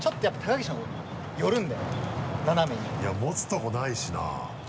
いや持つとこないしな。